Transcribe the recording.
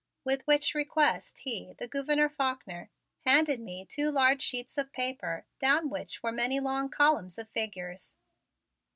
With which request he, the Gouverneur Faulkner, handed me two large sheets of paper down which were many long columns of figures.